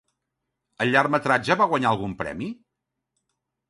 El llargmetratge va guanyar algun premi?